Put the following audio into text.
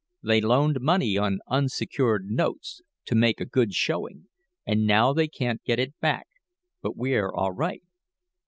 They loaned money on unsecured notes to make a good showing, and now they can't get it back. But we're all right.